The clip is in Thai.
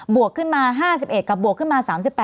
วกขึ้นมา๕๑กับบวกขึ้นมา๓๘